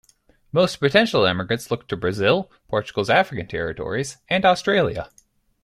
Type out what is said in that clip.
Most potential emigrants looked to Brazil, Portugal's African territories, and Australia.